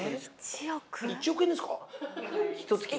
１億円ですよ。